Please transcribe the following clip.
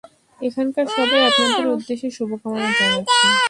এখানকার সবাই আপনাদের উদ্দেশ্যে শুভকামনা জানাচ্ছে।